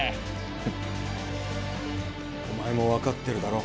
ふっお前も分かってるだろ